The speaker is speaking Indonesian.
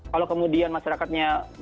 kalau kemudian masyarakatnya